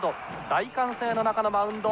大歓声の中のマウンド。